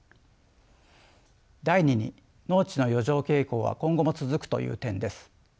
第２に農地の余剰傾向は今後も続くという点です。